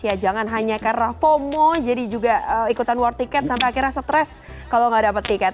ya jangan hanya karena fomo jadi juga ikutan war tiket sampai akhirnya stres kalau nggak dapat tiket